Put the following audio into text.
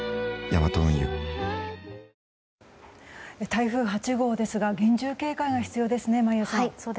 台風８号ですが厳重な警戒が必要ですね、眞家さん。